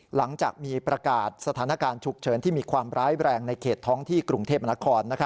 หลังจากมีประกาศสถานการณ์ฉุกเฉินที่มีความร้ายแรงในเขตท้องที่กรุงเทพมนาคม